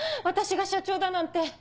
私が社長だなんて。